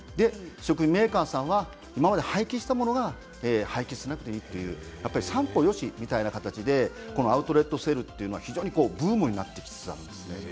食品メーカーさんは今まで廃棄していたものが廃棄しなくていいという三方よしということでアウトレットセールはブームになってきているんですね。